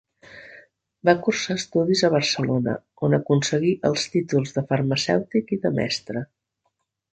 Va cursar estudis a Barcelona, on aconseguí els títols de farmacèutic i de mestre.